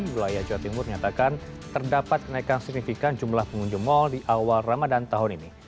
wilayah jawa timur menyatakan terdapat kenaikan signifikan jumlah pengunjung mal di awal ramadan tahun ini